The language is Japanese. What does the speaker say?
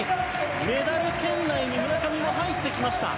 メダル圏内に村上も入ってきました。